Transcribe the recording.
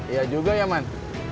iya juga ya man